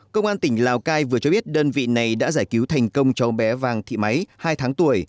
công an tỉnh lào cai vừa cho biết đơn vị này đã giải cứu thành công cháu bé vàng thị máy hai tháng tuổi